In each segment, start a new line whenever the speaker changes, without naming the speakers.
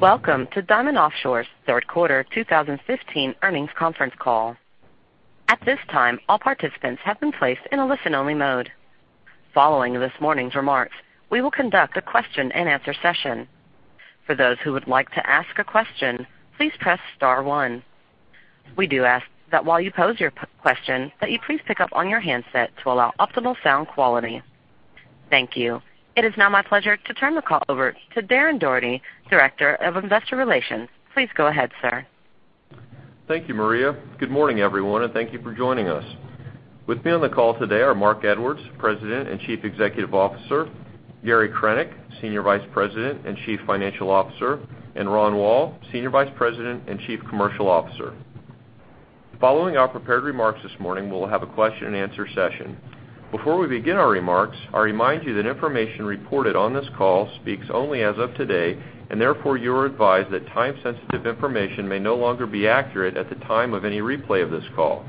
Welcome to Diamond Offshore's third quarter 2015 earnings conference call. At this time, all participants have been placed in a listen-only mode. Following this morning's remarks, we will conduct a question-and-answer session. For those who would like to ask a question, please press star one. We do ask that while you pose your question, that you please pick up on your handset to allow optimal sound quality. Thank you. It is now my pleasure to turn the call over to Darren Doherty, Director of Investor Relations. Please go ahead, sir.
Thank you, Maria. Good morning, everyone, and thank you for joining us. With me on the call today are Marc Edwards, President and Chief Executive Officer, Gary Krenek, Senior Vice President and Chief Financial Officer, and Ronald Woll, Senior Vice President and Chief Commercial Officer. Following our prepared remarks this morning, we will have a question-and-answer session. Before we begin our remarks, I remind you that information reported on this call speaks only as of today, and therefore, you are advised that type-sensitive information may no longer be accurate at the time of any replay of this call.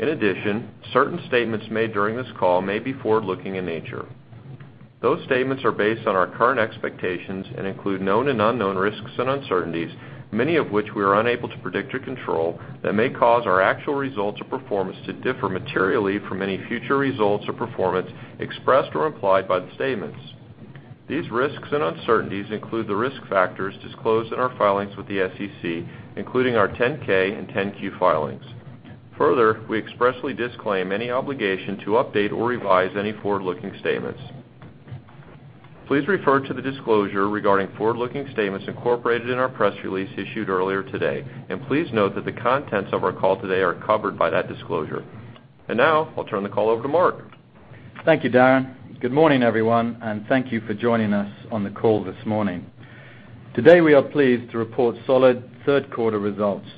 In addition, certain statements made during this call may be forward-looking in nature. Those statements are based on our current expectations and include known and unknown risks and uncertainties, many of which we are unable to predict or control, that may cause our actual results or performance to differ materially from any future results or performance expressed or implied by the statements. These risks and uncertainties include the risk factors disclosed in our filings with the SEC, including our 10-K and 10-Q filings. Further, we expressly disclaim any obligation to update or revise any forward-looking statements. Please refer to the disclosure regarding forward-looking statements incorporated in our press release issued earlier today, and please note that the contents of our call today are covered by that disclosure. Now I'll turn the call over to Marc.
Thank you, Darren. Good morning, everyone, and thank you for joining us on the call this morning. Today, we are pleased to report solid third-quarter results.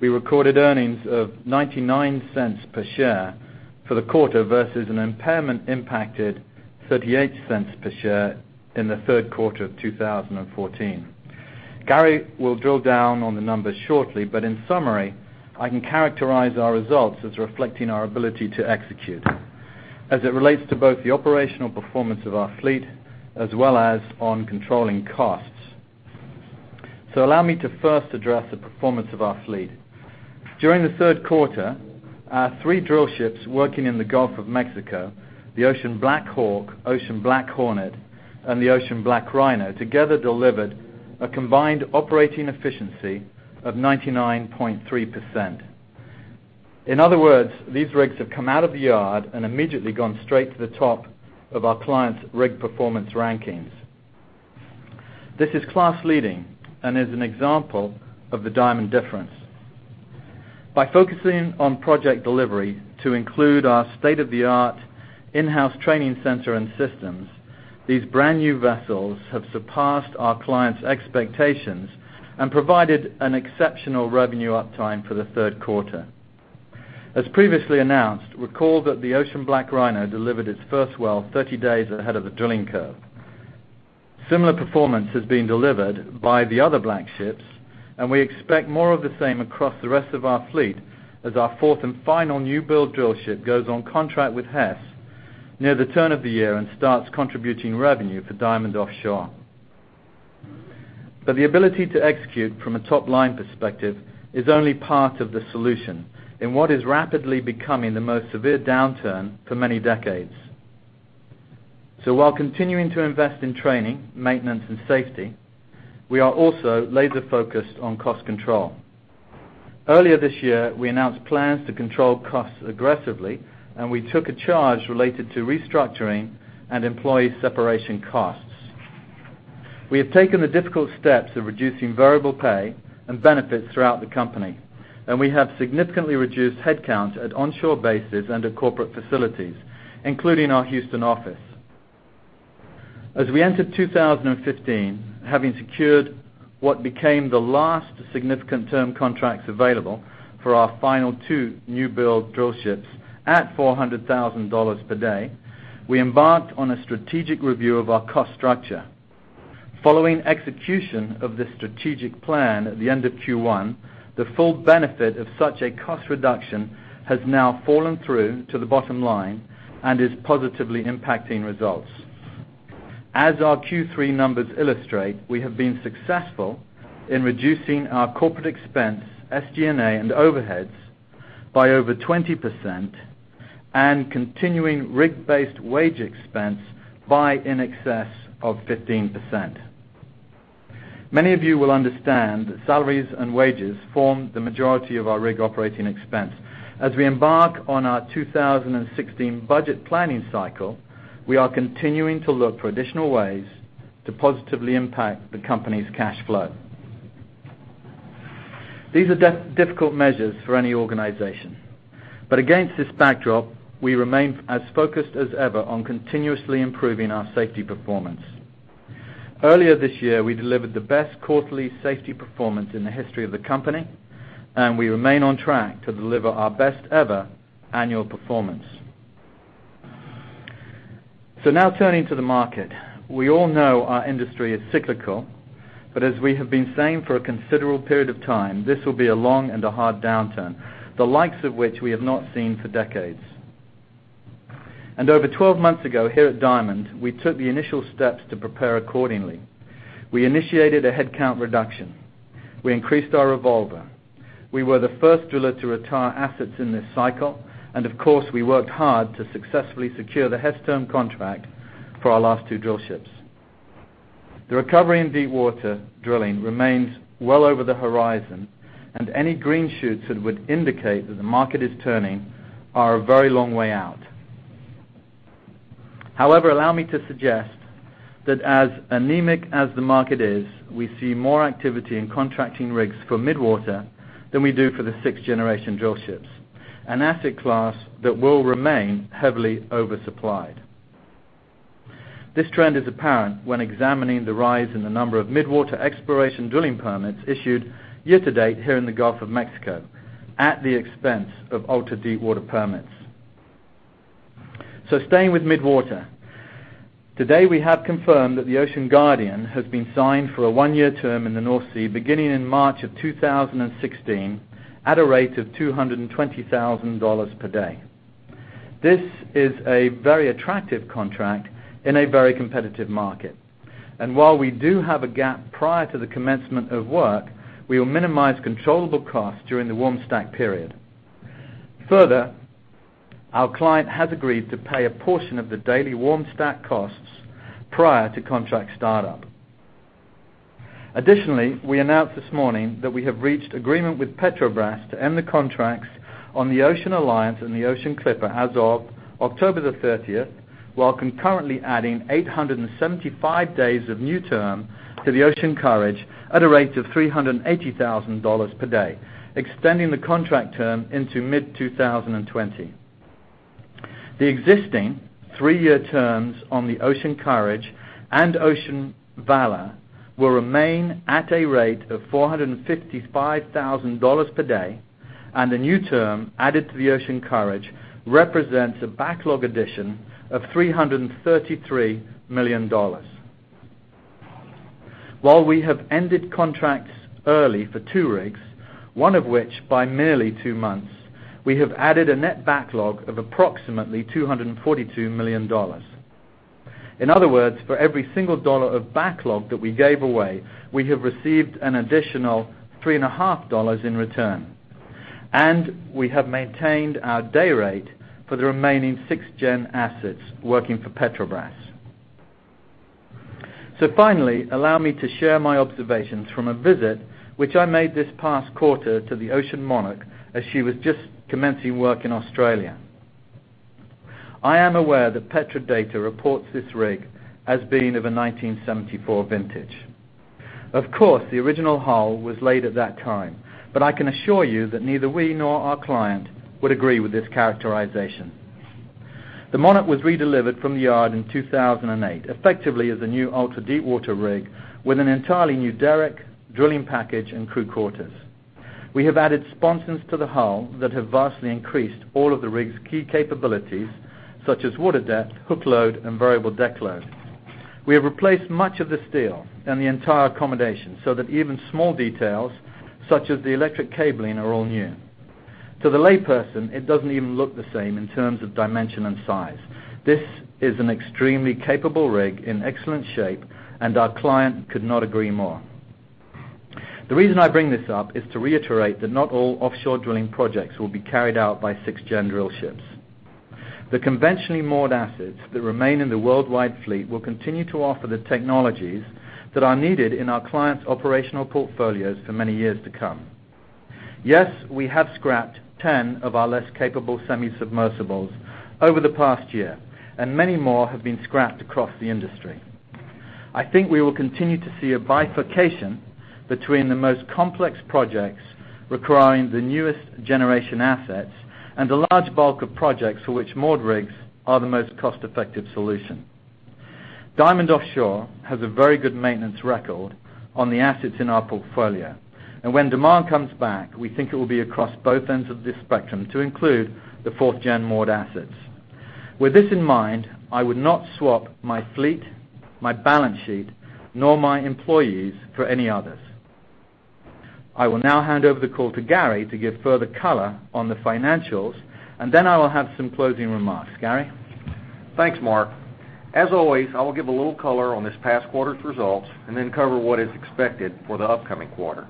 We recorded earnings of $0.99 per share for the quarter versus an impairment-impacted $0.38 per share in the third quarter of 2014. Gary will drill down on the numbers shortly, in summary, I can characterize our results as reflecting our ability to execute as it relates to both the operational performance of our fleet as well as on controlling costs. Allow me to first address the performance of our fleet. During the third quarter, our three drillships working in the Gulf of Mexico, the Ocean BlackHawk, Ocean BlackHornet, and the Ocean BlackRhino, together delivered a combined operating efficiency of 99.3%. In other words, these rigs have come out of the yard and immediately gone straight to the top of our clients' rig performance rankings. This is class-leading and is an example of the Diamond difference. By focusing on project delivery to include our state-of-the-art in-house training center and systems, these brand new vessels have surpassed our clients' expectations and provided an exceptional revenue uptime for the third quarter. As previously announced, recall that the Ocean BlackRhino delivered its first well 30 days ahead of the drilling curve. Similar performance has been delivered by the other Black Ships, and we expect more of the same across the rest of our fleet as our fourth and final new build drill ship goes on contract with Hess near the turn of the year and starts contributing revenue for Diamond Offshore. The ability to execute from a top-line perspective is only part of the solution in what is rapidly becoming the most severe downturn for many decades. While continuing to invest in training, maintenance, and safety, we are also laser-focused on cost control. Earlier this year, we announced plans to control costs aggressively, and we took a charge related to restructuring and employee separation costs. We have taken the difficult steps of reducing variable pay and benefits throughout the company, and we have significantly reduced headcount at onshore bases and at corporate facilities, including our Houston office. As we entered 2015, having secured what became the last significant term contracts available for our final two new build drill ships at $400,000 per day, we embarked on a strategic review of our cost structure. Following execution of this strategic plan at the end of Q1, the full benefit of such a cost reduction has now fallen through to the bottom line and is positively impacting results. As our Q3 numbers illustrate, we have been successful in reducing our corporate expense, SG&A, and overheads by over 20% and continuing rig-based wage expense by in excess of 15%. Many of you will understand that salaries and wages form the majority of our rig operating expense. As we embark on our 2016 budget planning cycle, we are continuing to look for additional ways to positively impact the company's cash flow. These are difficult measures for any organization. Against this backdrop, we remain as focused as ever on continuously improving our safety performance. Earlier this year, we delivered the best quarterly safety performance in the history of the company, and we remain on track to deliver our best ever annual performance. Now turning to the market. We all know our industry is cyclical, but as we have been saying for a considerable period of time, this will be a long and a hard downturn, the likes of which we have not seen for decades. Over 12 months ago here at Diamond, we took the initial steps to prepare accordingly. We initiated a headcount reduction. We increased our revolver. We were the first driller to retire assets in this cycle, and of course, we worked hard to successfully secure the head term contract for our last two drill ships. The recovery in deepwater drilling remains well over the horizon, and any green shoots that would indicate that the market is turning are a very long way out. However, allow me to suggest that as anemic as the market is, we see more activity in contracting rigs for mid-water than we do for the sixth-generation drillships, an asset class that will remain heavily oversupplied. This trend is apparent when examining the rise in the number of mid-water exploration drilling permits issued year-to-date here in the Gulf of Mexico, at the expense of ultra-deepwater permits. Staying with mid-water, today we have confirmed that the Ocean Guardian has been signed for a one-year term in the North Sea beginning in March 2016 at a rate of $220,000 per day. This is a very attractive contract in a very competitive market. While we do have a gap prior to the commencement of work, we will minimize controllable costs during the warm stack period. Further, our client has agreed to pay a portion of the daily warm stack costs prior to contract startup. Additionally, we announced this morning that we have reached agreement with Petrobras to end the contracts on the Ocean Alliance and the Ocean Clipper as of October 30th, while concurrently adding 875 days of new term to the Ocean Courage at a rate of $380,000 per day, extending the contract term into mid-2020. The existing three-year terms on the Ocean Courage and Ocean Valor will remain at a rate of $455,000 per day, and the new term added to the Ocean Courage represents a backlog addition of $333 million. While we have ended contracts early for two rigs, one of which by merely two months, we have added a net backlog of approximately $242 million. In other words, for every single dollar of backlog that we gave away, we have received an additional $3.5 in return, and we have maintained our day rate for the remaining 6th-gen assets working for Petrobras. Finally, allow me to share my observations from a visit, which I made this past quarter to the Ocean Monarch, as she was just commencing work in Australia. I am aware that Petrodata reports this rig as being of a 1974 vintage. Of course, the original hull was laid at that time, but I can assure you that neither we nor our client would agree with this characterization. The Monarch was redelivered from the yard in 2008, effectively as a new ultra-deepwater rig with an entirely new derrick, drilling package, and crew quarters. We have added sponsons to the hull that have vastly increased all of the rig's key capabilities, such as water depth, hook load, and variable deck load. We have replaced much of the steel and the entire accommodation so that even small details such as the electric cabling are all new. To the layperson, it doesn't even look the same in terms of dimension and size. This is an extremely capable rig in excellent shape, and our client could not agree more. The reason I bring this up is to reiterate that not all offshore drilling projects will be carried out by 6th-gen drillships. The conventionally moored assets that remain in the worldwide fleet will continue to offer the technologies that are needed in our clients' operational portfolios for many years to come. Yes, we have scrapped 10 of our less capable semi-submersibles over the past year, and many more have been scrapped across the industry. I think we will continue to see a bifurcation between the most complex projects requiring the newest generation assets and a large bulk of projects for which moored rigs are the most cost-effective solution. Diamond Offshore has a very good maintenance record on the assets in our portfolio, and when demand comes back, we think it will be across both ends of this spectrum to include the fourth-gen moored assets. With this in mind, I would not swap my fleet, my balance sheet, nor my employees for any others. I will now hand over the call to Gary to give further color on the financials, and then I will have some closing remarks. Gary?
Thanks, Marc. As always, I will give a little color on this past quarter's results and then cover what is expected for the upcoming quarter.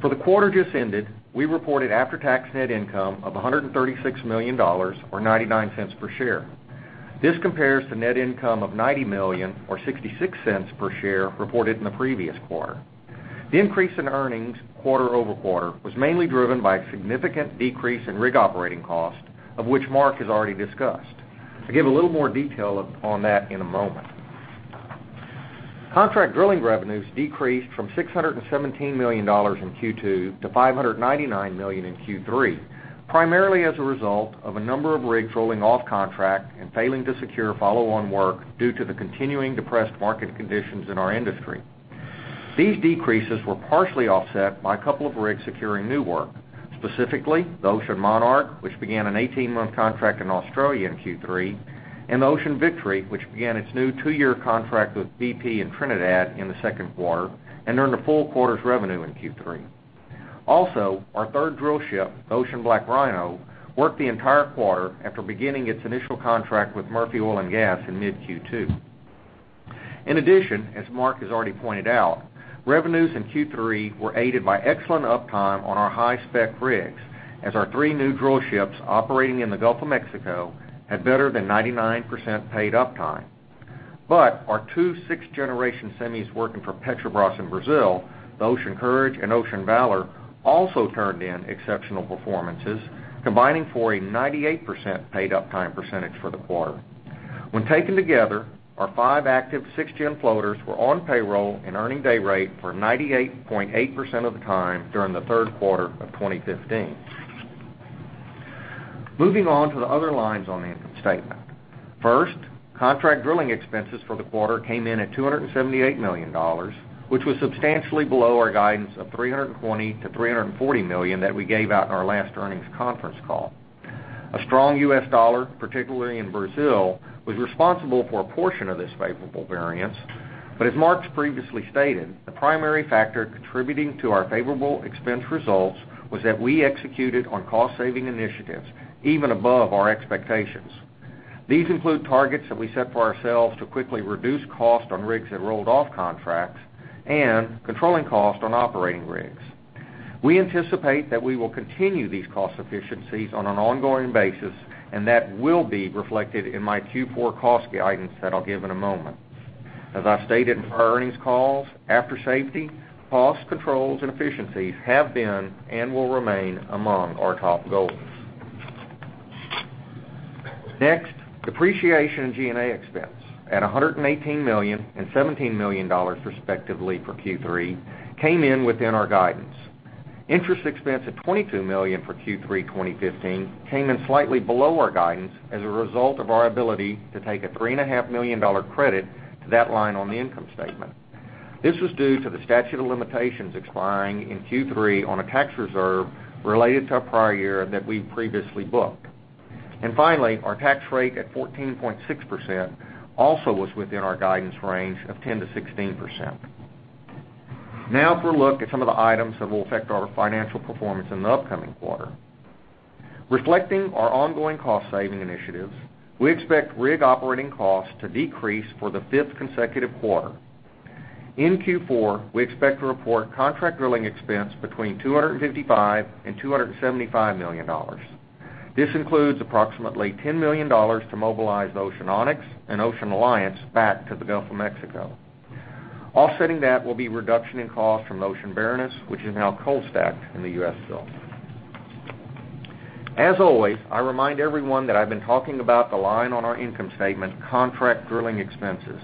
For the quarter just ended, we reported after-tax net income of $136 million, or $0.99 per share. This compares to net income of $90 million or $0.66 per share reported in the previous quarter. The increase in earnings quarter-over-quarter was mainly driven by a significant decrease in rig operating cost, of which Marc has already discussed. I'll give a little more detail on that in a moment. Contract drilling revenues decreased from $617 million in Q2 to $599 million in Q3, primarily as a result of a number of rigs rolling off contract and failing to secure follow-on work due to the continuing depressed market conditions in our industry. These decreases were partially offset by a couple of rigs securing new work, specifically the Ocean Monarch, which began an 18-month contract in Australia in Q3, and the Ocean Victory, which began its new two-year contract with BP in Trinidad in the second quarter and earned a full quarter's revenue in Q3. Also, our third drill ship, Ocean BlackRhino, worked the entire quarter after beginning its initial contract with Murphy Oil & Gas in mid Q2. In addition, as Marc has already pointed out, revenues in Q3 were aided by excellent uptime on our high-spec rigs, as our three new drill ships operating in the Gulf of Mexico had better than 99% paid uptime. But our two sixth-generation semis working for Petrobras in Brazil, the Ocean Courage and Ocean Valor, also turned in exceptional performances, combining for a 98% paid uptime percentage for the quarter. When taken together, our five active sixth-gen floaters were on payroll and earning day rate for 98.8% of the time during the third quarter of 2015. Moving on to the other lines on the income statement. Contract drilling expenses for the quarter came in at $278 million, which was substantially below our guidance of $320 million-$340 million that we gave out in our last earnings conference call. A strong U.S. dollar, particularly in Brazil, was responsible for a portion of this favorable variance, but as Marc previously stated, the primary factor contributing to our favorable expense results was that we executed on cost-saving initiatives, even above our expectations. These include targets that we set for ourselves to quickly reduce cost on rigs that rolled off contracts and controlling cost on operating rigs. We anticipate that we will continue these cost efficiencies on an ongoing basis, that will be reflected in my Q4 cost guidance that I'll give in a moment. As I stated in prior earnings calls, after safety, cost controls and efficiencies have been and will remain among our top goals. Depreciation and G&A expense at $118 million and $17 million respectively for Q3 came in within our guidance. Interest expense at $22 million for Q3 2015 came in slightly below our guidance as a result of our ability to take a $3.5 million credit to that line on the income statement. This was due to the statute of limitations expiring in Q3 on a tax reserve related to a prior year that we previously booked. Finally, our tax rate at 14.6% also was within our guidance range of 10%-16%. For a look at some of the items that will affect our financial performance in the upcoming quarter. Reflecting our ongoing cost-saving initiatives, we expect rig operating costs to decrease for the fifth consecutive quarter. In Q4, we expect to report contract drilling expense between $255 million-$275 million. This includes approximately $10 million to mobilize Ocean Onyx and Ocean Alliance back to the Gulf of Mexico. Offsetting that will be reduction in cost from Ocean Baroness, which is now cold stacked in the U.S. Gulf. As always, I remind everyone that I've been talking about the line on our income statement, contract drilling expenses.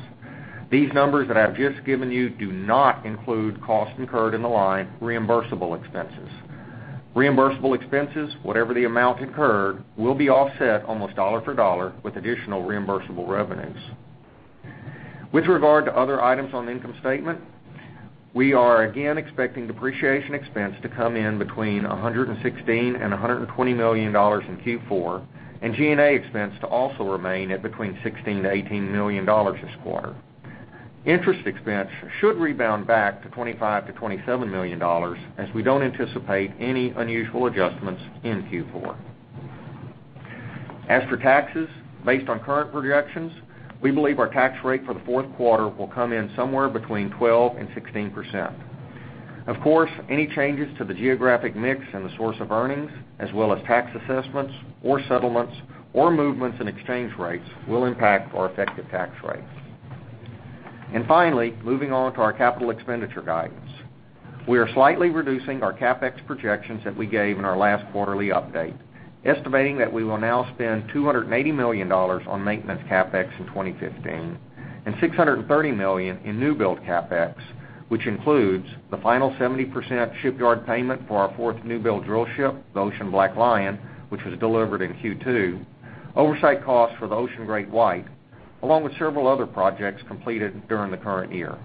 These numbers that I've just given you do not include costs incurred in the line, reimbursable expenses. Reimbursable expenses, whatever the amount incurred, will be offset almost dollar for dollar with additional reimbursable revenues. With regard to other items on the income statement, we are again expecting depreciation expense to come in between $116 million-$120 million in Q4, and G&A expense to also remain at between $16 million-$18 million this quarter. Interest expense should rebound back to $25 million-$27 million, as we don't anticipate any unusual adjustments in Q4. For taxes, based on current projections, we believe our tax rate for the fourth quarter will come in somewhere between 12%-16%. Of course, any changes to the geographic mix and the source of earnings, as well as tax assessments or settlements or movements in exchange rates, will impact our effective tax rate. Finally, moving on to our capital expenditure guidance. We are slightly reducing our CapEx projections that we gave in our last quarterly update, estimating that we will now spend $280 million on maintenance CapEx in 2015, and $630 million in new-build CapEx, which includes the final 70% shipyard payment for our fourth new-build drill ship, the Ocean BlackLion, which was delivered in Q2, oversight costs for the Ocean GreatWhite, along with several other projects completed during the current year.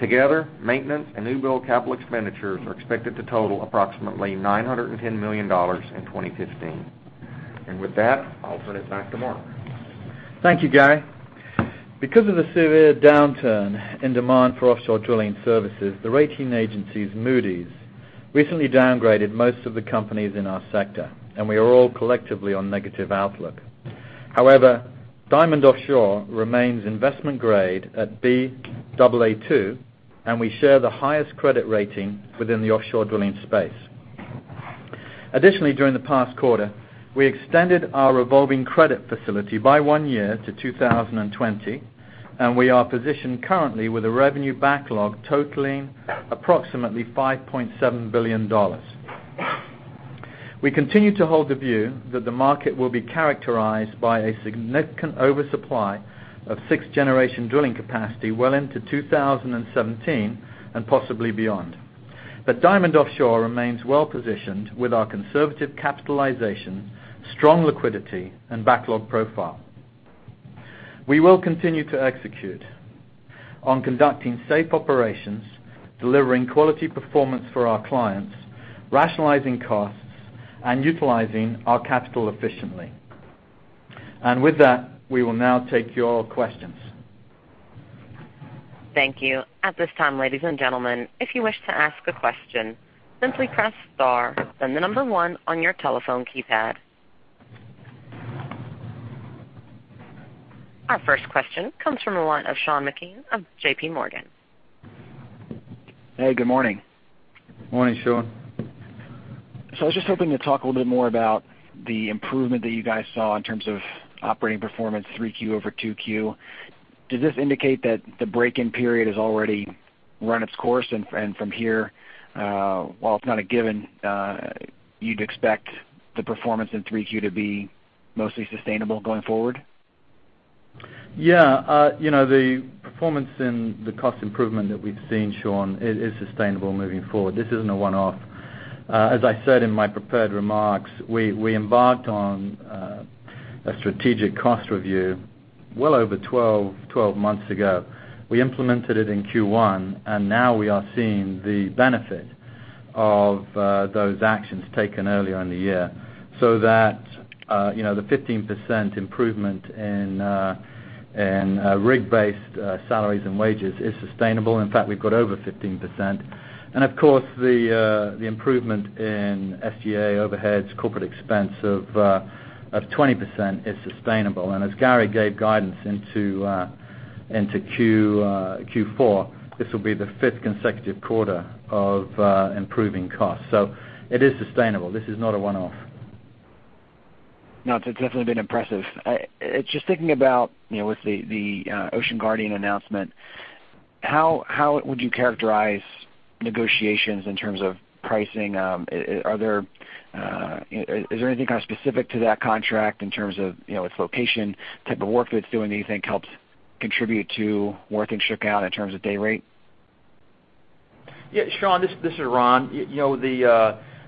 Together, maintenance and new-build capital expenditures are expected to total approximately $910 million in 2015. With that, I'll turn it back to Marc.
Thank you, Gary. Because of the severe downturn in demand for offshore drilling services, the rating agency Moody's recently downgraded most of the companies in our sector, and we are all collectively on negative outlook. However, Diamond Offshore remains investment-grade at Baa2, and we share the highest credit rating within the offshore drilling space. Additionally, during the past quarter, we extended our revolving credit facility by one year to 2020, and we are positioned currently with a revenue backlog totaling approximately $5.7 billion. We continue to hold the view that the market will be characterized by a significant oversupply of sixth-generation drilling capacity well into 2017 and possibly beyond. Diamond Offshore remains well-positioned with our conservative capitalization, strong liquidity, and backlog profile. We will continue to execute on conducting safe operations, delivering quality performance for our clients, rationalizing costs, and utilizing our capital efficiently. With that, we will now take your questions.
Thank you. At this time, ladies and gentlemen, if you wish to ask a question, simply press star, then the number one on your telephone keypad. Our first question comes from the line of Sean Meakim of JPMorgan.
Hey, good morning.
Morning, Sean.
I was just hoping to talk a little bit more about the improvement that you guys saw in terms of operating performance 3Q over 2Q. Does this indicate that the break-in period has already run its course and from here, while it's not a given, you'd expect the performance in 3Q to be mostly sustainable going forward?
The performance in the cost improvement that we've seen, Sean, is sustainable moving forward. This isn't a one-off. As I said in my prepared remarks, we embarked on a strategic cost review well over 12 months ago. We implemented it in Q1, and now we are seeing the benefit of those actions taken earlier in the year so that the 15% improvement in rig-based salaries and wages is sustainable. In fact, we've got over 15%. Of course, the improvement in SG&A overheads corporate expense of 20% is sustainable. As Gary gave guidance into Q4, this will be the fifth consecutive quarter of improving costs. It is sustainable. This is not a one-off.
No, it's definitely been impressive. Just thinking about with the Ocean Guardian announcement, how would you characterize negotiations in terms of pricing? Is there anything kind of specific to that contract in terms of its location, type of work that it's doing that you think helps contribute to where things shook out in terms of day rate?
Yeah, Sean, this is Ron.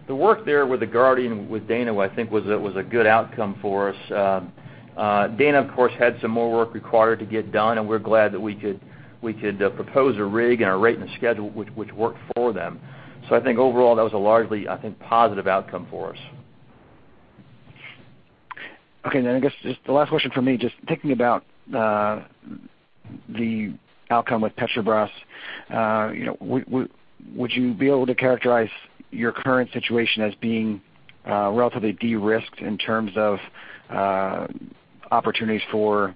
The work there with the Ocean Guardian, with Dana Petroleum, I think was a good outcome for us. Dana Petroleum, of course, had some more work required to get done, and we're glad that we could propose a rig and a rate and a schedule which worked for them. I think overall, that was a largely, I think, positive outcome for us.
Okay. I guess just the last question from me, just thinking about the outcome with Petrobras, would you be able to characterize your current situation as being relatively de-risked in terms of opportunities for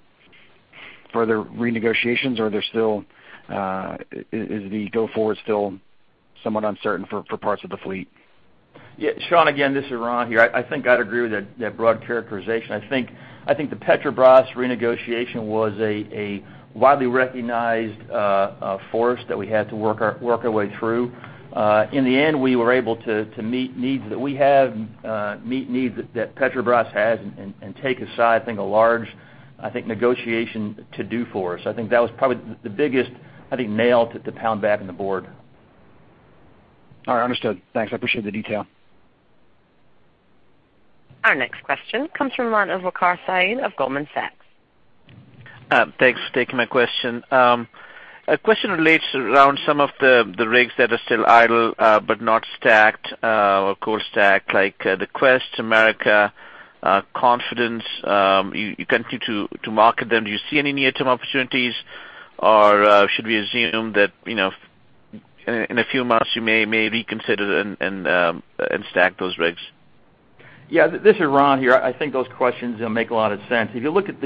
further renegotiations? Or is the go-forward still somewhat uncertain for parts of the fleet?
Yeah. Sean, again, this is Ron here. I think I'd agree with that broad characterization. I think the Petrobras renegotiation was a widely recognized force that we had to work our way through. In the end, we were able to meet needs that we have, meet needs that Petrobras has, and take aside, I think, a large negotiation to-do for us. I think that was probably the biggest nail to pound back in the board.
All right. Understood. Thanks. I appreciate the detail.
Our next question comes from the line of Waqar Syed of Goldman Sachs.
Thanks for taking my question. A question relates around some of the rigs that are still idle but not stacked or cold stacked, like the Quest, America, Confidence. You continue to market them. Do you see any near-term opportunities? Should we assume that in a few months you may reconsider and stack those rigs?
This is Ron here. I think those questions make a lot of sense. If you look at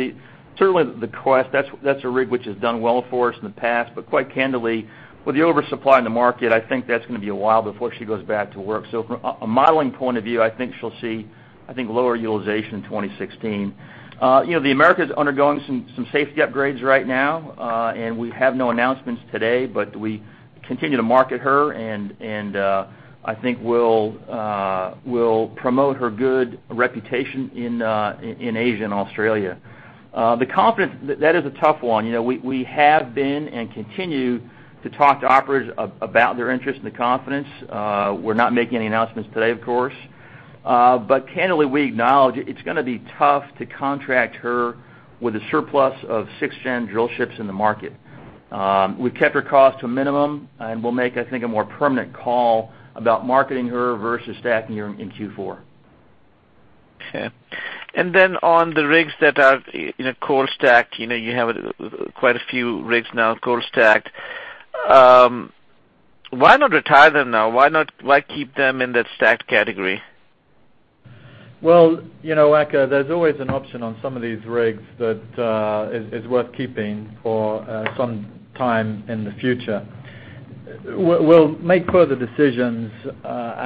certainly the Quest, that's a rig which has done well for us in the past, but quite candidly, with the oversupply in the market, I think that's going to be a while before she goes back to work. From a modeling point of view, I think she'll see lower utilization in 2016. The America's undergoing some safety upgrades right now, and we have no announcements today, but we continue to market her, and I think we'll promote her good reputation in Asia and Australia. The Confidence, that is a tough one. We have been and continue to talk to operators about their interest in the Confidence. We're not making any announcements today, of course. Candidly, we acknowledge it's going to be tough to contract her with a surplus of sixth-gen drillships in the market. We've kept her cost to a minimum, we'll make, I think, a more permanent call about marketing her versus stacking her in Q4.
Okay. On the rigs that are cold stacked, you have quite a few rigs now cold stacked. Why not retire them now? Why keep them in that stacked category?
Well, Waqar, there's always an option on some of these rigs that is worth keeping for some time in the future. We'll make further decisions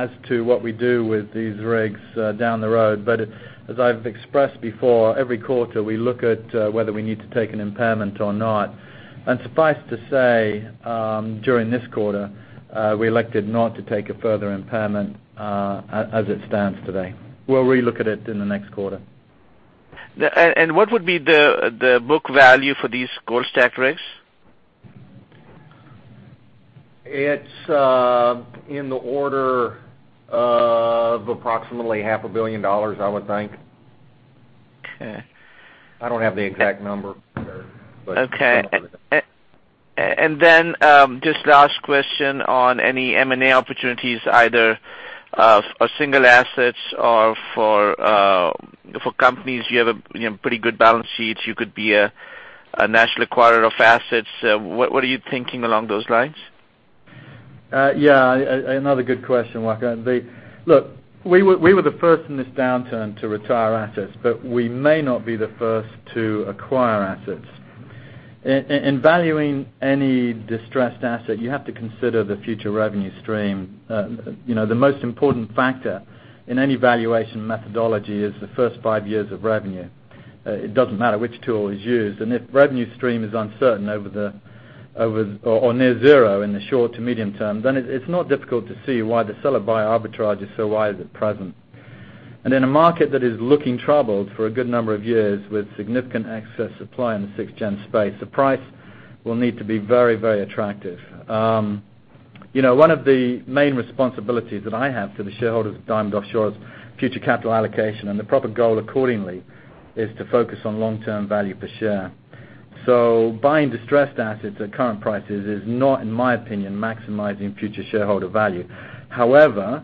as to what we do with these rigs down the road. As I've expressed before, every quarter, we look at whether we need to take an impairment or not. Suffice to say, during this quarter, we elected not to take a further impairment as it stands today. We'll re-look at it in the next quarter.
What would be the book value for these cold stacked rigs?
It's in the order of approximately half a billion dollars, I would think.
Okay.
I don't have the exact number.
Okay. Just last question on any M&A opportunities, either for single assets or for companies, you have a pretty good balance sheet. You could be a national acquirer of assets. What are you thinking along those lines?
Yeah. Another good question, Marco. Look, we were the first in this downturn to retire assets, but we may not be the first to acquire assets. In valuing any distressed asset, you have to consider the future revenue stream. The most important factor in any valuation methodology is the first five years of revenue. It doesn't matter which tool is used. If revenue stream is uncertain or near zero in the short to medium term, it's not difficult to see why the seller buy arbitrage is so wide at present. In a market that is looking troubled for a good number of years with significant excess supply in the sixth-gen space, the price will need to be very attractive. One of the main responsibilities that I have to the shareholders of Diamond Offshore Drilling is future capital allocation, and the proper goal accordingly is to focus on long-term value per share. Buying distressed assets at current prices is not, in my opinion, maximizing future shareholder value. However,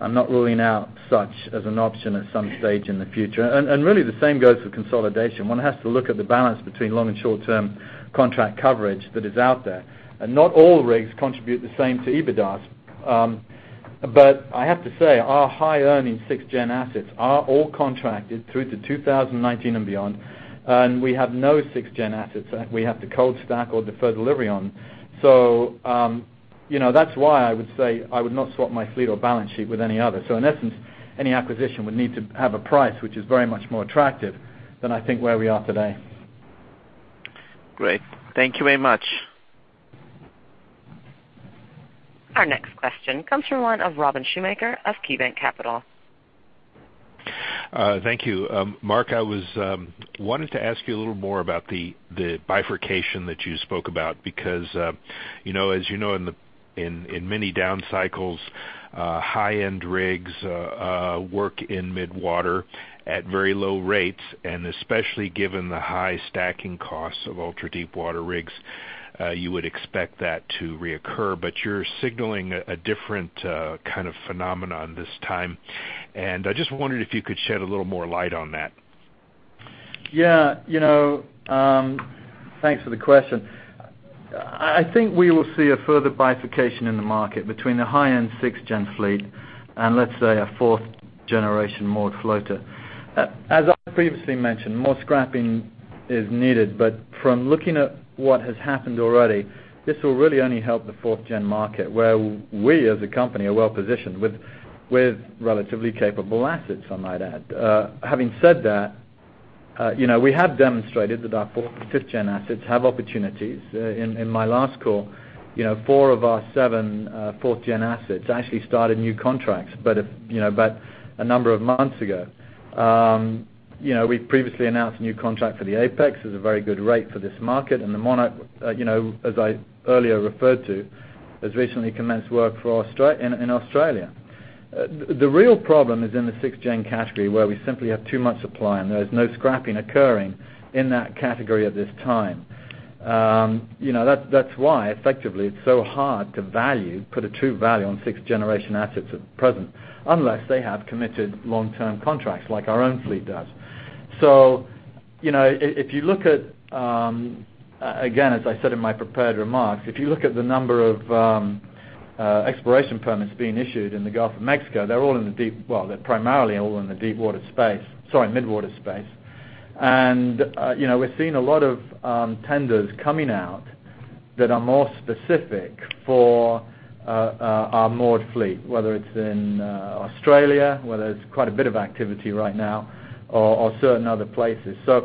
I am not ruling out such as an option at some stage in the future. Really the same goes for consolidation. One has to look at the balance between long and short-term contract coverage that is out there. And not all rigs contribute the same to EBITDA. I have to say, our high-earning sixth-gen assets are all contracted through to 2019 and beyond, and we have no sixth-gen assets that we have to cold stack or defer delivery on. That's why I would say I would not swap my fleet or balance sheet with any other. In essence, any acquisition would need to have a price which is very much more attractive than I think where we are today.
Great. Thank you very much.
Our next question comes from one of Robin Shoemaker of KeyBanc Capital.
Thank you. Marc, I wanted to ask you a little more about the bifurcation that you spoke about, because as you know, in many down cycles, high-end rigs work in mid-water at very low rates, especially given the high stacking costs of ultra-deepwater rigs, you would expect that to reoccur. You're signaling a different kind of phenomenon this time. I just wondered if you could shed a little more light on that.
Yeah. Thanks for the question. I think we will see a further bifurcation in the market between the high-end sixth-gen fleet and let's say, a fourth-generation moored floater. As I previously mentioned, more scrapping is needed, but from looking at what has happened already, this will really only help the fourth-gen market, where we as a company are well positioned with relatively capable assets, I might add. Having said that, we have demonstrated that our fourth and fifth-gen assets have opportunities. In my last call, four of our seven fourth-gen assets actually started new contracts about a number of months ago. We previously announced a new contract for the Apex. It was a very good rate for this market. The Monarch, as I earlier referred to, has recently commenced work in Australia. The real problem is in the sixth-gen category, where we simply have too much supply, there is no scrapping occurring in that category at this time. That's why effectively it's so hard to put a true value on sixth-generation assets at present, unless they have committed long-term contracts like our own fleet does. Again, as I said in my prepared remarks, if you look at the number of exploration permits being issued in the Gulf of Mexico, they're primarily all in the mid-water space. We're seeing a lot of tenders coming out that are more specific for our moored fleet, whether it's in Australia, where there's quite a bit of activity right now, or certain other places. A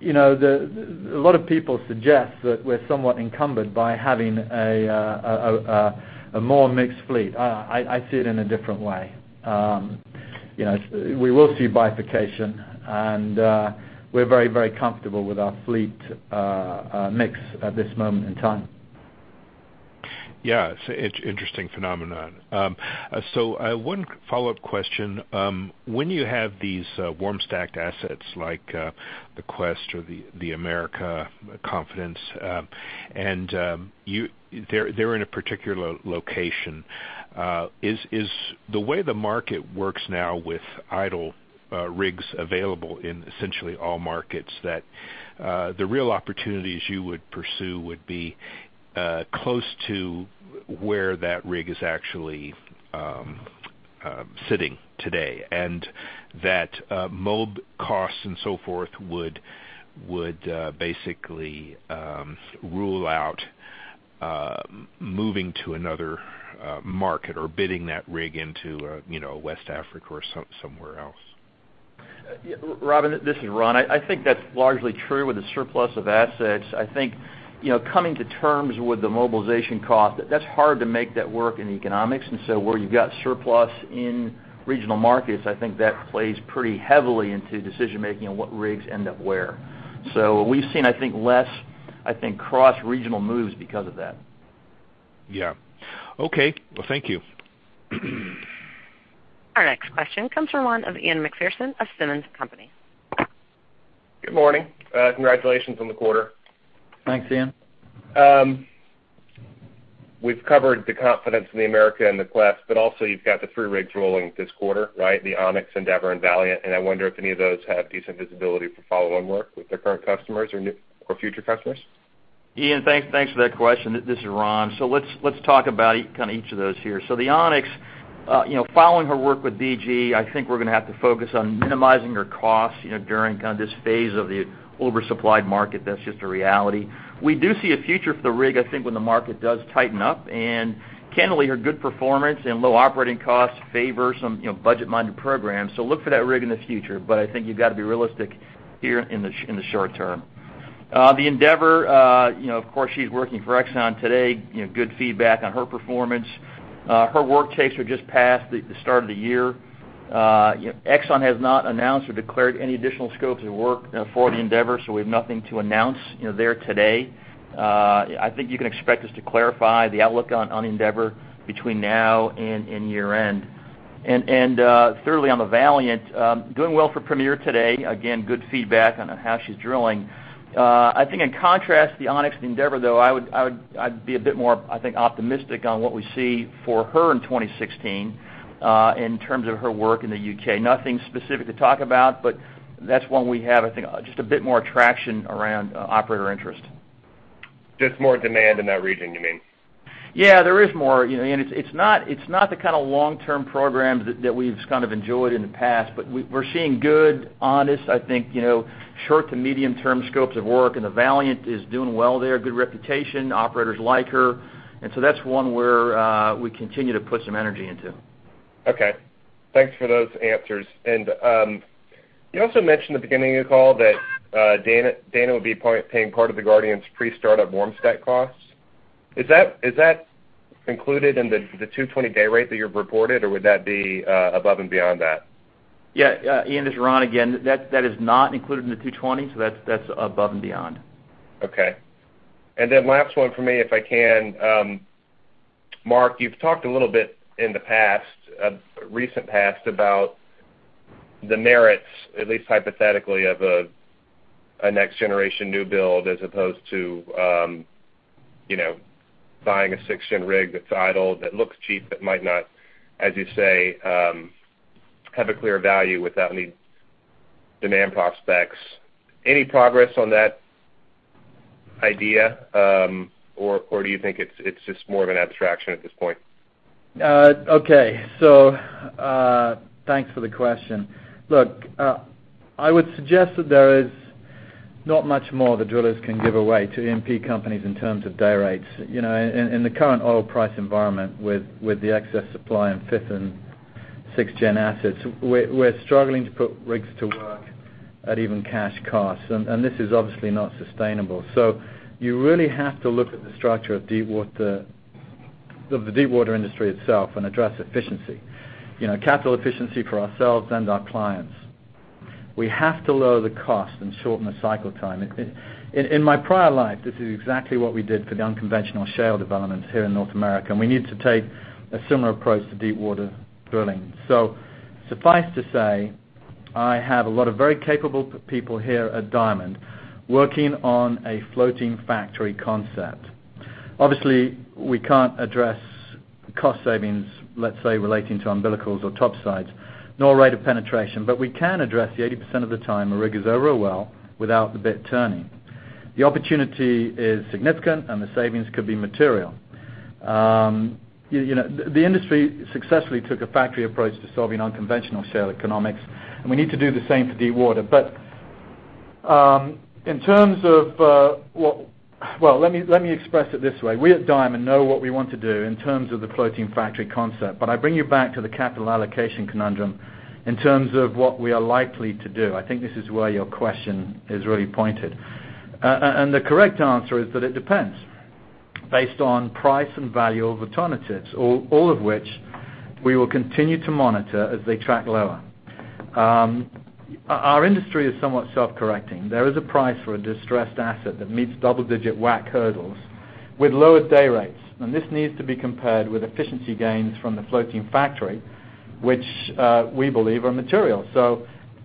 lot of people suggest that we're somewhat encumbered by having a more mixed fleet. I see it in a different way. We will see bifurcation, we're very comfortable with our fleet mix at this moment in time.
It's an interesting phenomenon. One follow-up question. When you have these warm stacked assets like the Quest or the America, Confidence, and they're in a particular location, is the way the market works now with idle rigs available in essentially all markets that the real opportunities you would pursue would be close to where that rig is actually sitting today, and that MOB costs and so forth would basically rule out moving to another market or bidding that rig into West Africa or somewhere else?
Robin, this is Ron. I think that's largely true with the surplus of assets. I think, coming to terms with the mobilization cost, that's hard to make that work in economics. Where you've got surplus in regional markets, I think that plays pretty heavily into decision-making on what rigs end up where. We've seen I think, less cross-regional moves because of that.
Yeah. Okay. Well, thank you.
Our next question comes from one of Ian Macpherson of Simmons Company.
Good morning. Congratulations on the quarter.
Thanks, Ian.
We've covered the confidence in the America and the Quest, but also you've got the three rigs rolling this quarter, right? The Onyx, Endeavor, and Valiant, and I wonder if any of those have decent visibility for follow-on work with their current customers or future customers.
Ian, thanks for that question. This is Ron. Let's talk about each of those here. The Onyx, following her work with DG, I think we're going to have to focus on minimizing her costs during this phase of the oversupplied market. That's just a reality. We do see a future for the rig, I think, when the market does tighten up, and candidly, her good performance and low operating costs favor some budget-minded programs. Look for that rig in the future, but I think you've got to be realistic here in the short term. The Endeavor, of course, she's working for Exxon today. Good feedback on her performance. Her work dates are just past the start of the year. Exxon has not announced or declared any additional scopes of work for the Endeavor, so we have nothing to announce there today. I think you can expect us to clarify the outlook on Ocean Endeavor between now and year-end. Thirdly, on the Ocean Valiant, doing well for Premier Oil today. Again, good feedback on how she's drilling. I think in contrast to the Ocean Onyx and Ocean Endeavor, though, I'd be a bit more, I think, optimistic on what we see for her in 2016 in terms of her work in the U.K. Nothing specific to talk about, but that's one we have, I think, just a bit more traction around operator interest.
Just more demand in that region, you mean?
Yeah, there is more. It's not the kind of long-term programs that we've enjoyed in the past, but we're seeing good, honest, I think, short- to medium-term scopes of work, and the Ocean Valiant is doing well there. Good reputation. Operators like her. That's one where we continue to put some energy into.
Okay. Thanks for those answers. You also mentioned at the beginning of the call that Dana Petroleum would be paying part of the Ocean Guardian's pre-startup warm stack costs. Is that included in the 220-day rate that you've reported, or would that be above and beyond that?
Yeah. Ian, this is Ron again. That is not included in the $220, so that's above and beyond.
Okay. Last one for me, if I can. Marc, you've talked a little bit in the recent past about the merits, at least hypothetically, of a next-generation new build as opposed to buying a sixth-gen rig that's idle, that looks cheap, that might not, as you say, have a clear value without any demand prospects. Any progress on that idea? Do you think it's just more of an abstraction at this point?
Okay. Thanks for the question. Look, I would suggest that there is not much more the drillers can give away to E&P companies in terms of day rates. In the current oil price environment with the excess supply in fifth- and sixth-gen assets, we're struggling to put rigs to work at even cash costs, this is obviously not sustainable. You really have to look at the structure of the deepwater industry itself and address efficiency, capital efficiency for ourselves and our clients. We have to lower the cost and shorten the cycle time. In my prior life, this is exactly what we did for the unconventional shale developments here in North America, we need to take a similar approach to deepwater drilling. Suffice to say, I have a lot of very capable people here at Diamond working on a Floating Factory concept. Obviously, we can't address cost savings, let's say, relating to umbilicals or topsides, nor rate of penetration, but we can address the 80% of the time a rig is over a well without the bit turning. The opportunity is significant, the savings could be material. The industry successfully took a factory approach to solving unconventional shale economics, we need to do the same for deepwater. Well, let me express it this way. We at Diamond know what we want to do in terms of the Floating Factory concept, but I bring you back to the capital allocation conundrum in terms of what we are likely to do. I think this is where your question is really pointed. The correct answer is that it depends based on price and value of alternatives, all of which we will continue to monitor as they track lower. Our industry is somewhat self-correcting. There is a price for a distressed asset that meets double-digit WACC hurdles with lower day rates. This needs to be compared with efficiency gains from the Floating Factory, which we believe are material.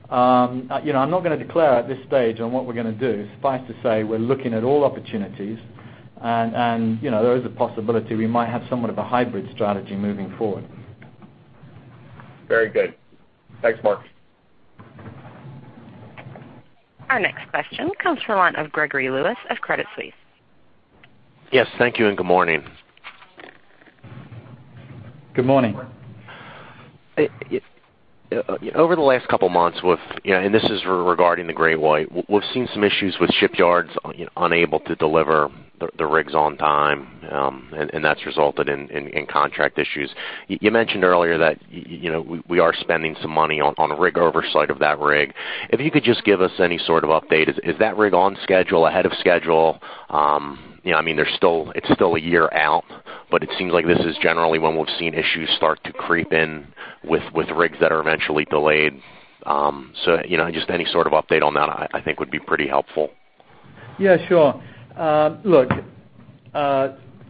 I'm not going to declare at this stage on what we're going to do. Suffice to say, we're looking at all opportunities. There is a possibility we might have somewhat of a hybrid strategy moving forward.
Very good. Thanks, Marc.
Our next question comes from the line of Gregory Lewis of Credit Suisse.
Yes. Thank you. Good morning.
Good morning.
Over the last couple of months, and this is regarding the Ocean GreatWhite, we've seen some issues with shipyards unable to deliver the rigs on time, and that's resulted in contract issues. You mentioned earlier that we are spending some money on a rig oversight of that rig. If you could just give us any sort of update. Is that rig on schedule, ahead of schedule? It's still a year out, but it seems like this is generally when we've seen issues start to creep in with rigs that are eventually delayed. Just any sort of update on that I think would be pretty helpful.
Yeah, sure. Look,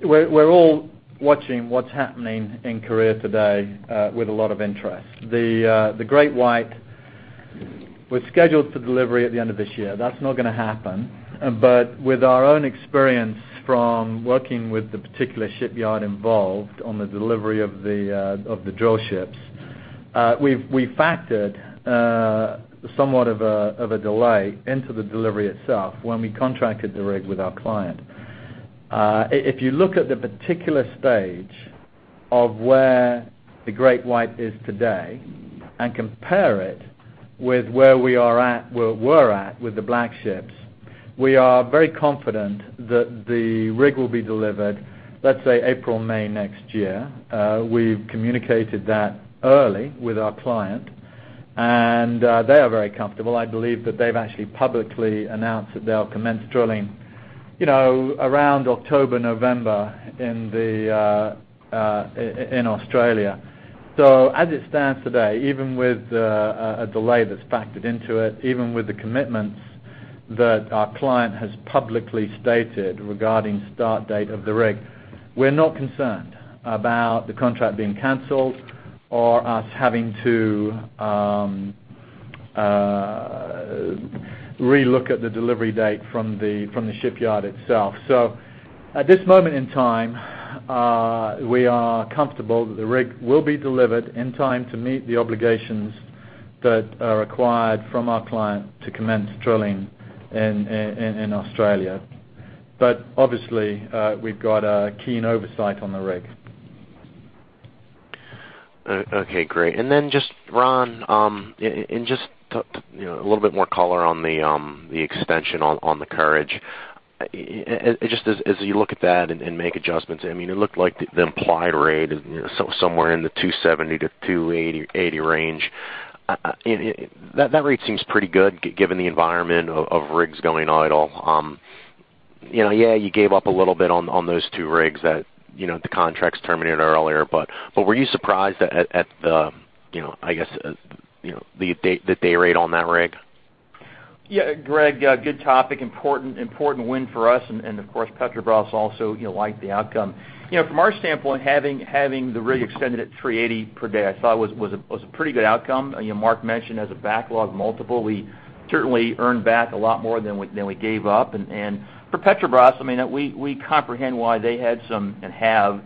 we're all watching what's happening in Korea today with a lot of interest. The Ocean GreatWhite. We're scheduled for delivery at the end of this year. That's not going to happen. With our own experience from working with the particular shipyard involved on the delivery of the drillships, we factored somewhat of a delay into the delivery itself when we contracted the rig with our client. If you look at the particular stage of where the Ocean GreatWhite is today and compare it with where we were at with the Black ships, we are very confident that the rig will be delivered, let's say April, May next year. We've communicated that early with our client, and they are very comfortable. I believe that they've actually publicly announced that they'll commence drilling around October, November in Australia. As it stands today, even with a delay that's factored into it, even with the commitments that our client has publicly stated regarding start date of the rig, we're not concerned about the contract being canceled or us having to re-look at the delivery date from the shipyard itself. At this moment in time, we are comfortable that the rig will be delivered in time to meet the obligations that are required from our client to commence drilling in Australia. Obviously, we've got a keen oversight on the rig.
Okay, great. Ron, a little bit more color on the extension on the Ocean Courage. As you look at that and make adjustments, it looked like the implied rate is somewhere in the $270-$280 range. That rate seems pretty good given the environment of rigs going idle. Yeah, you gave up a little bit on those two rigs that the contracts terminated earlier, were you surprised at the day rate on that rig?
Yeah, Greg, good topic. Important win for us, Petrobras also liked the outcome. From our standpoint, having the rig extended at $380 per day, I thought was a pretty good outcome. Marc mentioned as a backlog multiple, we certainly earned back a lot more than we gave up. For Petrobras, we comprehend why they had some, and have,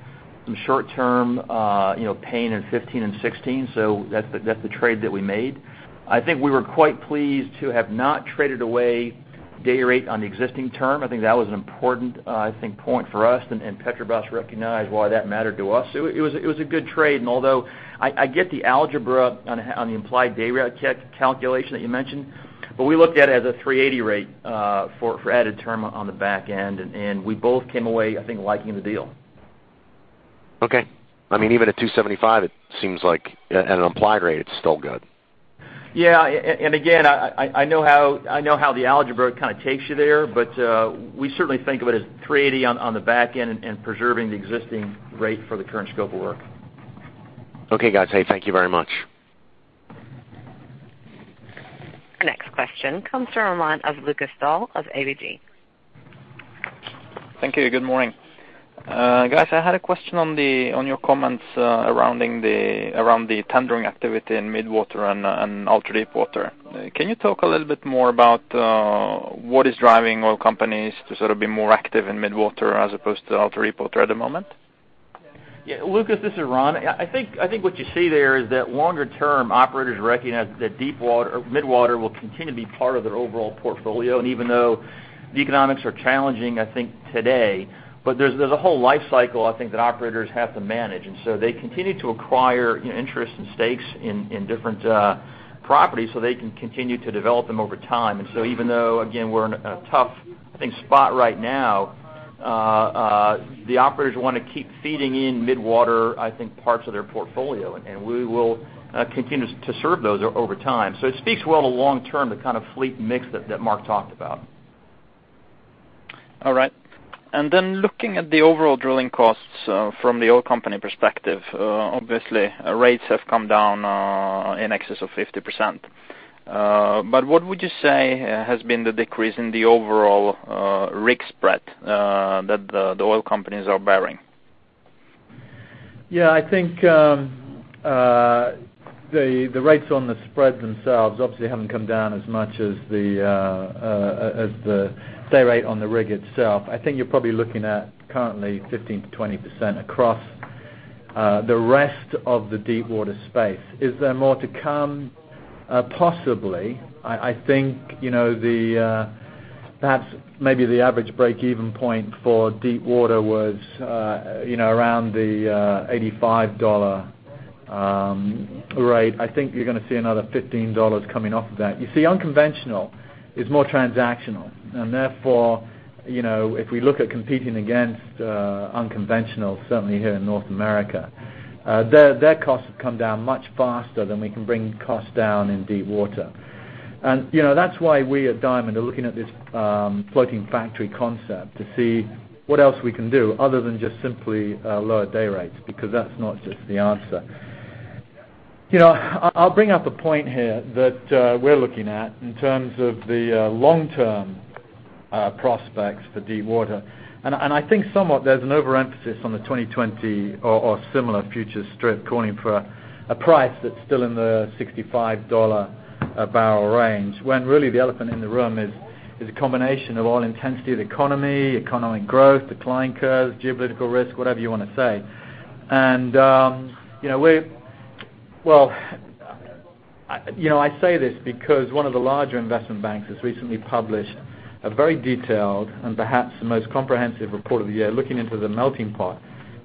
some short-term pain in 2015 and 2016. That's the trade that we made. I think we were quite pleased to have not traded away day rate on the existing term. I think that was an important point for us, Petrobras recognized why that mattered to us. It was a good trade, although I get the algebra on the implied day rate calculation that you mentioned, we looked at it as a $380 rate for added term on the back end, we both came away, I think, liking the deal.
Okay. Even at $275, it seems like at an implied rate, it's still good.
Yeah. Again, I know how the algebra takes you there, but we certainly think of it as $380 on the back-end and preserving the existing rate for the current scope of work.
Okay, guys. Hey, thank you very much.
Our next question comes from the line of Lukas Daul of ABG.
Thank you. Good morning. Guys, I had a question on your comments around the tendering activity in mid-water and ultra-deepwater. Can you talk a little bit more about what is driving oil companies to sort of be more active in mid-water as opposed to ultra-deepwater at the moment?
Yeah, Lukas, this is Ron. I think what you see there is that longer-term operators recognize that mid-water will continue to be part of their overall portfolio. Even though the economics are challenging, I think today, there's a whole life cycle, I think, that operators have to manage. They continue to acquire interest and stakes in different properties so they can continue to develop them over time. Even though, again, we're in a tough spot right now, the operators want to keep feeding in mid-water, I think, parts of their portfolio, and we will continue to serve those over time. It speaks well to long-term, the kind of fleet mix that Marc talked about.
All right. Then looking at the overall drilling costs from the oil company perspective, obviously, rates have come down in excess of 50%. What would you say has been the decrease in the overall rig spread that the oil companies are bearing?
Yeah, I think the rates on the spreads themselves obviously haven't come down as much as the day rate on the rig itself. I think you're probably looking at currently 15%-20% across the rest of the deep-water space. Is there more to come? Possibly. I think perhaps maybe the average break-even point for deep-water was around the $85 rate. I think you're going to see another $15 coming off of that. Unconventional is more transactional. Therefore, if we look at competing against unconventional, certainly here in North America, their costs have come down much faster than we can bring costs down in deep-water. That's why we at Diamond are looking at this Floating Factory concept to see what else we can do other than just simply lower day rates, because that's not just the answer. I'll bring up a point here that we're looking at in terms of the long-term prospects for deepwater. I think somewhat there's an overemphasis on the 2020 or similar future strip calling for a price that's still in the $65 a barrel range, when really the elephant in the room is a combination of oil intensity of the economy, economic growth, decline curves, geopolitical risk, whatever you want to say. I say this because one of the larger investment banks has recently published a very detailed and perhaps the most comprehensive report of the year, looking into the melting pot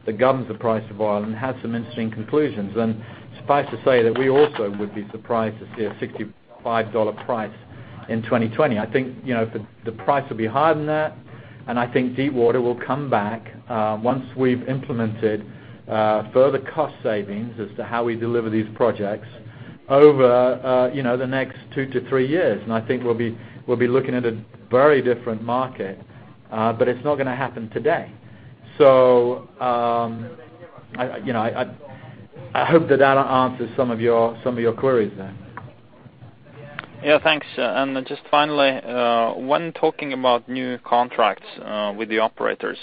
that governs the price of oil and has some interesting conclusions. Suffice to say that we also would be surprised to see a $65 price in 2020. I think, the price will be higher than that, I think deepwater will come back once we've implemented further cost savings as to how we deliver these projects over the next two to three years. I think we'll be looking at a very different market, but it's not going to happen today. I hope that that answers some of your queries there.
Yeah, thanks. Then just finally, when talking about new contracts with the operators,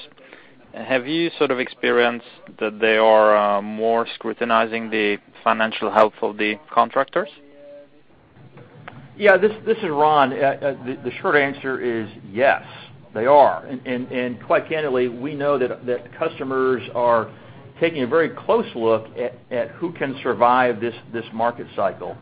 have you sort of experienced that they are more scrutinizing the financial health of the contractors?
Yeah, this is Ron. The short answer is yes, they are. Quite candidly, we know that customers are taking a very close look at who can survive this market cycle.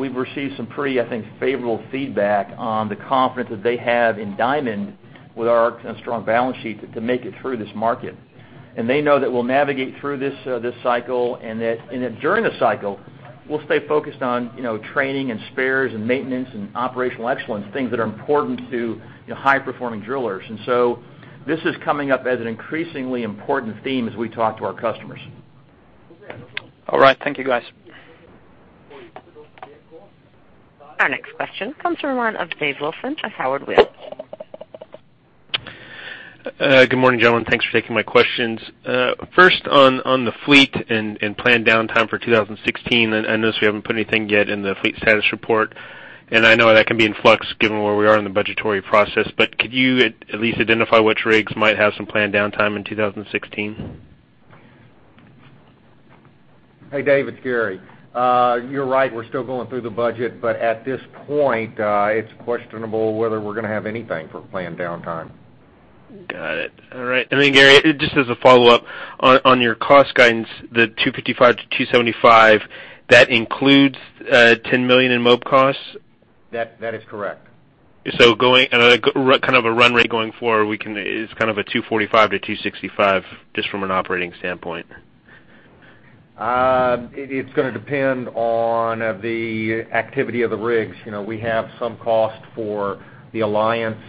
We've received some pretty, I think, favorable feedback on the confidence that they have in Diamond with our strong balance sheet to make it through this market. They know that we'll navigate through this cycle and that during the cycle, we'll stay focused on training and spares and maintenance and operational excellence, things that are important to high-performing drillers. This is coming up as an increasingly important theme as we talk to our customers.
All right. Thank you, guys.
Our next question comes from the line of Dave Wilson at Howard Weil.
Good morning, gentlemen. Thanks for taking my questions. First, on the fleet and planned downtime for 2016. I notice we haven't put anything yet in the fleet status report, I know that can be in flux given where we are in the budgetary process. Could you at least identify which rigs might have some planned downtime in 2016?
Hey, Dave, it's Gary. You're right, we're still going through the budget, but at this point, it's questionable whether we're going to have anything for planned downtime.
Got it. All right. Gary, just as a follow-up, on your cost guidance, the $255-$275, that includes $10 million in MOB costs?
That is correct.
Kind of a run rate going forward, it's kind of a $245-$265, just from an operating standpoint.
It's going to depend on the activity of the rigs. We have some cost for the Alliance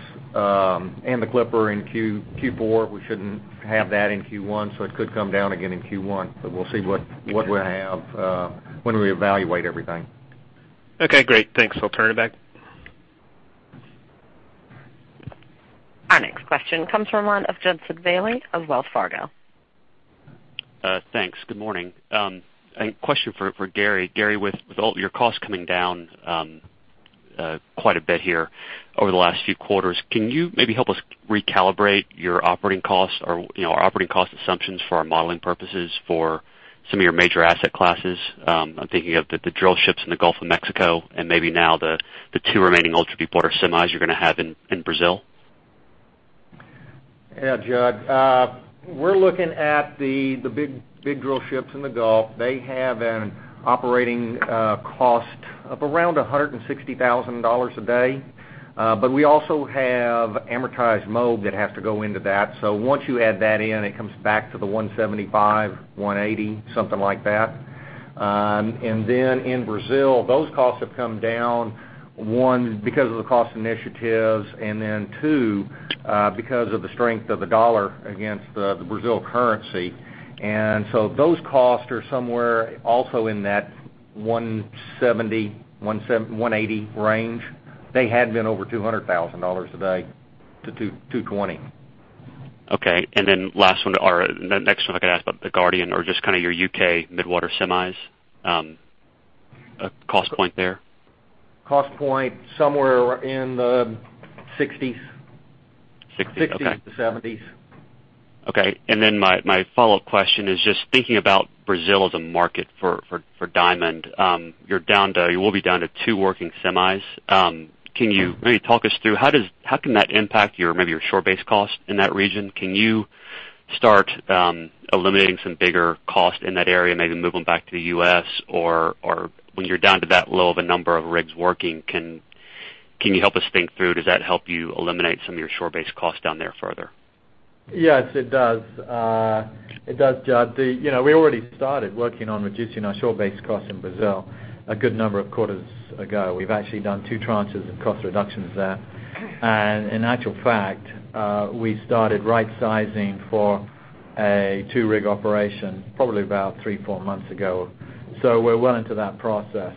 and the Clipper in Q4. We shouldn't have that in Q1, it could come down again in Q1, we'll see what we have when we evaluate everything.
Okay, great. Thanks. I'll turn it back.
Our next question comes from the line of Judson Bailey of Wells Fargo.
Thanks. Good morning. A question for Gary. Gary, with all your costs coming down quite a bit here over the last few quarters, can you maybe help us recalibrate your operating costs or operating cost assumptions for our modeling purposes for some of your major asset classes? I'm thinking of the drill ships in the Gulf of Mexico, and maybe now the two remaining ultra-deepwater semis you're going to have in Brazil.
Yeah, Judd. We're looking at the big drill ships in the Gulf. They have an operating cost of around $160,000 a day. We also have amortized MOB that has to go into that. Once you add that in, it comes back to the $175,000, $180,000, something like that. In Brazil, those costs have come down, one, because of the cost initiatives, and two, because of the strength of the dollar against the Brazil currency. Those costs are somewhere also in that $170,000, $180,000 range. They had been over $200,000 a day to $220,000.
Okay. Next one I could ask about The Guardian or just kind of your U.K. mid-water semis cost point there.
Cost point somewhere in the $60,000s.
$60,000, okay.
$60,000 to $70,000.
Okay. My follow-up question is just thinking about Brazil as a market for Diamond. You will be down to two working semis. Can you maybe talk us through how can that impact maybe your shore base cost in that region? Can you start eliminating some bigger costs in that area, maybe moving back to the U.S. or when you're down to that low of a number of rigs working, can you help us think through, does that help you eliminate some of your shore base costs down there further?
Yes, it does. It does, Judd. We already started working on reducing our shore base costs in Brazil a good number of quarters ago. We've actually done two tranches of cost reductions there. In actual fact, we started right sizing for a two-rig operation probably about three, four months ago. We're well into that process.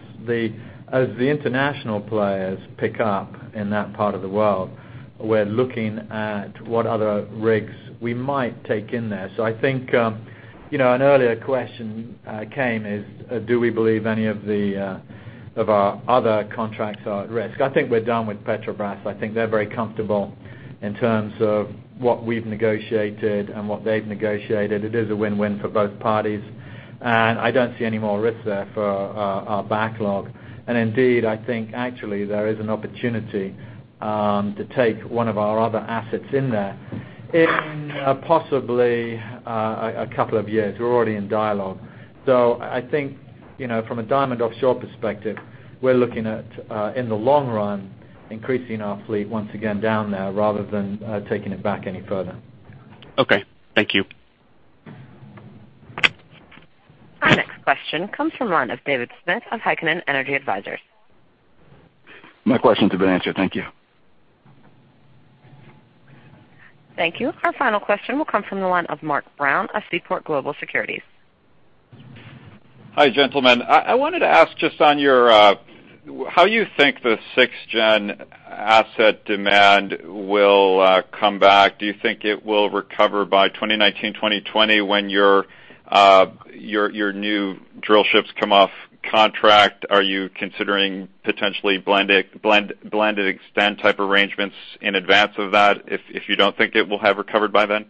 As the international players pick up in that part of the world, we're looking at what other rigs we might take in there. I think, an earlier question came is, do we believe any of our other contracts are at risk. I think we're done with Petrobras. I think they're very comfortable in terms of what we've negotiated and what they've negotiated. It is a win-win for both parties. I don't see any more risk there for our backlog. Indeed, I think actually there is an opportunity to take one of our other assets in there in possibly a couple of years. We're already in dialogue. I think, from a Diamond Offshore perspective, we're looking at, in the long run, increasing our fleet once again down there rather than taking it back any further.
Okay. Thank you.
Our next question comes from the line of David Smith of Heikkinen Energy Advisors.
My question's been answered. Thank you.
Thank you. Our final question will come from the line of Mark Brown of Seaport Global Securities.
Hi, gentlemen. I wanted to ask just how you think the sixth-gen asset demand will come back. Do you think it will recover by 2019, 2020, when your new drill ships come off contract? Are you considering potentially blended extend type arrangements in advance of that if you don't think it will have recovered by then?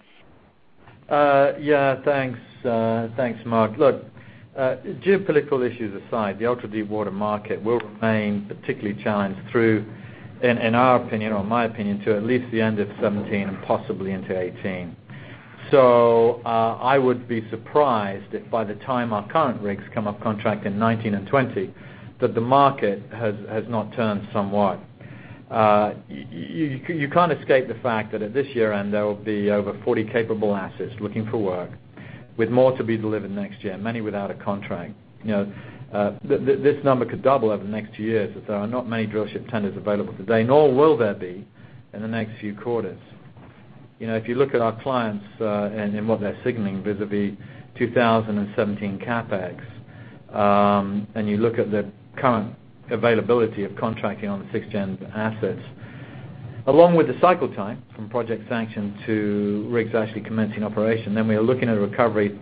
Yeah, thanks. Thanks, Mark. Look, geopolitical issues aside, the ultra-deepwater market will remain particularly challenged through, in our opinion or my opinion, to at least the end of 2017 and possibly into 2018. I would be surprised if by the time our current rigs come off contract in 2019 and 2020 that the market has not turned somewhat. You can't escape the fact that at this year-end, there will be over 40 capable assets looking for work, with more to be delivered next year, many without a contract. This number could double over the next two years, as there are not many drillship tenders available today, nor will there be in the next few quarters. If you look at our clients and what they're signaling vis-à-vis 2017 CapEx, and you look at the current availability of contracting on the sixth-gen assets, along with the cycle time from project sanction to rigs actually commencing operation, then we are looking at a recovery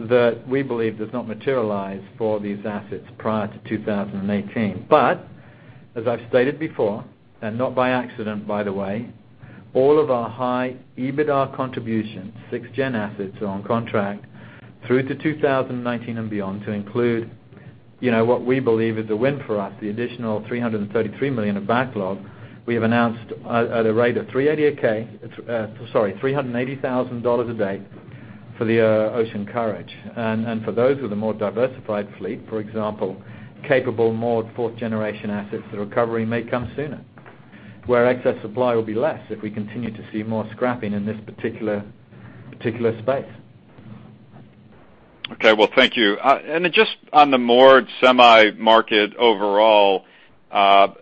that we believe does not materialize for these assets prior to 2018. As I've stated before, and not by accident by the way, all of our high EBITDA contributions, sixth-gen assets are on contract through to 2019 and beyond to include what we believe is a win for us. The additional $333 million of backlog we have announced at a rate of $380,000 a day for the Ocean Courage. For those with a more diversified fleet, for example, capable, more fourth-generation assets, the recovery may come sooner, where excess supply will be less if we continue to see more scrapping in this particular space.
Okay. Well, thank you. Just on the moored semi market overall, how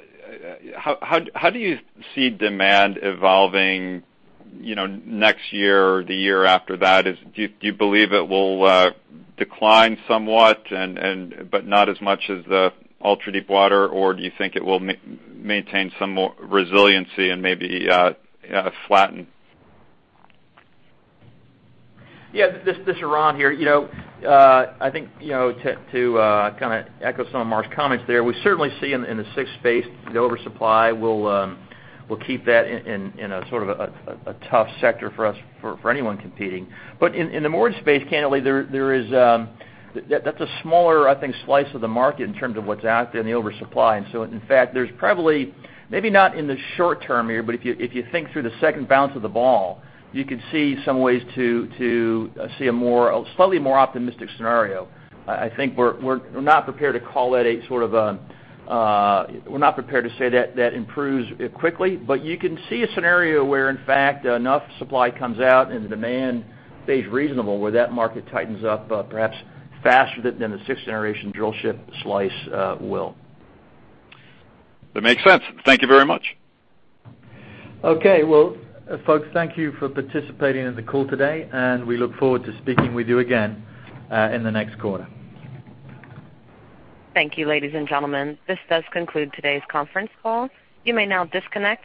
do you see demand evolving next year or the year after that? Do you believe it will decline somewhat but not as much as the ultra-deepwater, or do you think it will maintain some more resiliency and maybe flatten?
Yeah. This is Ron here. I think to echo some of Marc's comments there, we certainly see in the sixth space, the oversupply will keep that in a sort of a tough sector for us for anyone competing. In the moored space, candidly, that's a smaller, I think, slice of the market in terms of what's out there in the oversupply. In fact, there's probably, maybe not in the short term here, but if you think through the second bounce of the ball, you could see some ways to see a slightly more optimistic scenario. I think we're not prepared to say that improves quickly, but you can see a scenario where, in fact, enough supply comes out and the demand stays reasonable where that market tightens up perhaps faster than the sixth-generation drillship slice will.
That makes sense. Thank you very much.
Okay. Well, folks, thank you for participating in the call today, and we look forward to speaking with you again in the next quarter.
Thank you, ladies and gentlemen. This does conclude today's conference call. You may now disconnect.